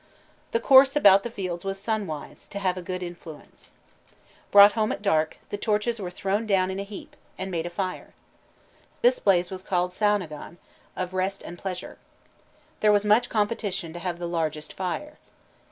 The course about the fields was sunwise, to have a good influence. Brought home at dark, the torches were thrown down in a heap, and made a fire. This blaze was called "Samhnagan," "of rest and pleasure." There was much competition to have the largest fire.